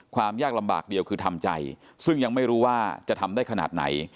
ความยากลำบากเดียวคือทำใจซึ่งยังไม่รู้ว่าจะทำได้ขนาดไหน